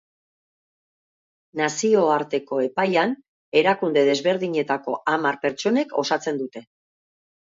Nazioarteko epaian erakunde desberdinetako hamar pertsonek osatzen dute.